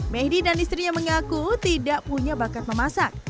mehdi dan istrinya mengaku tidak punya bakat memasak